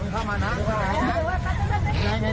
ระยะเย็นระยะเย็น